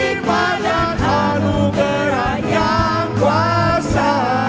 jangan lupa yang anugerah yang kuasa